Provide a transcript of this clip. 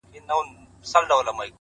د يوسفي ښکلا له هر نظره نور را اورې _